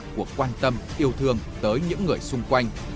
của quan tâm yêu thương tới những người xung quanh